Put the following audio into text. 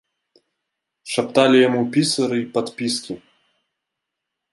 Шапталі яму пісары і падпіскі.